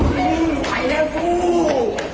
ไขแล้วกู